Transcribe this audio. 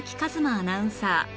アナウンサー